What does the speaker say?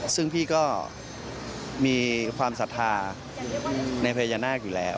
ซึ่งพี่ก็มีความศรัทธาในพญานาคอยู่แล้ว